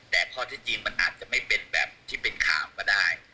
แต่ข้อที่จริงมันอาจจะไม่เป็นแบบที่เป็นข่าวก็ได้